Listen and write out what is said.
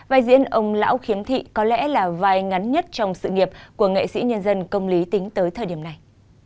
vai diễn ông lão khiếm thị có lẽ là vai ngắn nhất trong sự nghiệp của nghệ sĩ nhân dân công lý tính tới thời điểm này